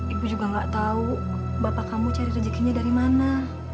ibu juga gak tahu bapak kamu cari rezekinya dari mana